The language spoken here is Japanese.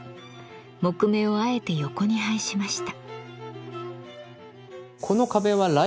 木目をあえて横に配しました。